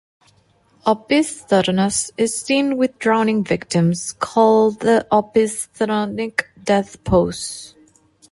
Opisthotonus is seen with drowning victims - called the "Opisthotonic Death Pose".